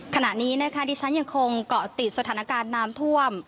ขณะนี้นะคะดิฉันยังคงเกาะติดสถานการณ์น้ำท่วม